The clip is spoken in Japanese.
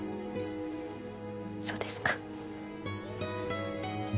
そうですか。